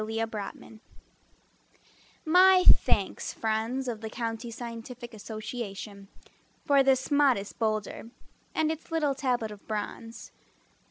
Perry Zoll My thanks, friends of the County Scientific Association, For this modest boulder, And its little tablet of bronze.